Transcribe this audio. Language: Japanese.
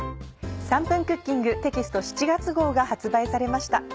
『３分クッキング』テキスト７月号が発売されました。